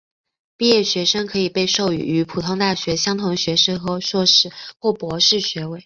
毕业学生可以被授予与普通大学相同的学士或硕士或博士学位。